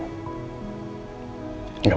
itu dong senyum